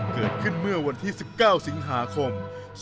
เกิดขึ้นเมื่อวันที่๑๙สิงหาคม๒๕๖